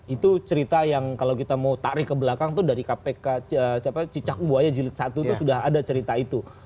itu cerita yang kalau kita mau tarik ke belakang tuh dari kpk cicak buaya jilid satu itu sudah ada cerita itu